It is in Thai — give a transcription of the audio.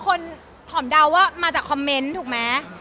คนหอมเดาว่ามาจากคอมเมนต์ถูกไหม